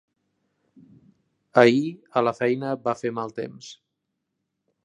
Ahir a la feina va fer mal temps.